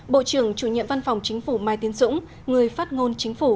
bộ trưởng chủ nhiệm văn phòng chính phủ mai tiến dũng người phát ngôn chính phủ